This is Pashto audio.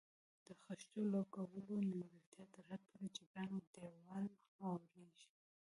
د خښتو لګولو نیمګړتیاوې تر حده پورې جبران او دېوال اواریږي.